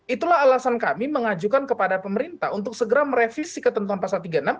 itulah alasan kami mengajukan kepada pemerintah untuk segera merevisi ketentuan pasal tiga puluh enam